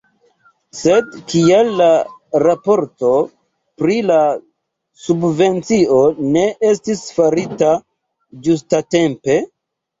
Sed kial la raporto pri la subvencio ne estis farita ĝustatempe?